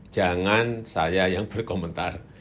jangan saya yang berkomentar